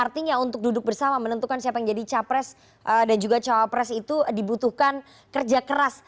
dan kerja keras